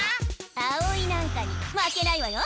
あおいなんかにまけないわよ！